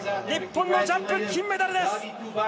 日本のジャンプ金メダルです！